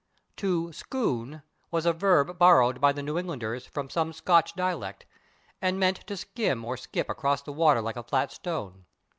/To scoon/ was a verb borrowed by the New Englanders from some Scotch dialect, and meant to skim or skip across the water like a flat stone.